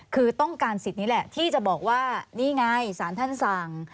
คือต้องการสิทธิ์นี้แหละที่จะบอกว่านี่ไงสารท่านสั่ง